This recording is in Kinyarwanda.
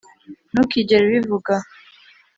ntukigere ubivuga